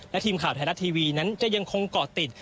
และทีมข่าวไทยรัฐทีวีนั้นจะยังคงเกาะติด